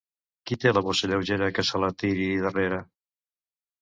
Qui té la bossa lleugera, que se la tiri darrere.